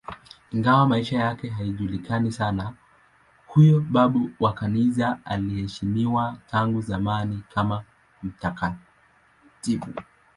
Ingawa maisha yake hayajulikani sana, huyo babu wa Kanisa anaheshimiwa tangu zamani kama mtakatifu.